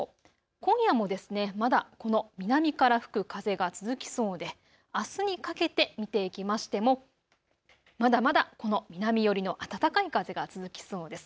今夜もまだこの南から吹く風が続きそうであすにかけて見ていきましてもまだまだこの南寄りの暖かい風が続きそうです。